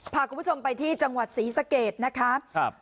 พาคุณผู้ชมไปที่จังหวัดศรีสะเกดนะคะครับ